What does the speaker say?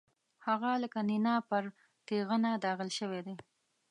هغه لکه نېنه پر تېغنه داغل شوی دی.